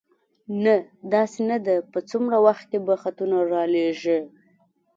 نه، داسې نه ده، په څومره وخت کې به خطونه را لېږې؟